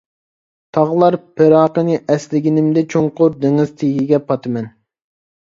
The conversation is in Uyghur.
تاغلار پىراقىنى ئەسلىگىنىمدە چوڭقۇر دېڭىز تېگىگە پاتىمەن.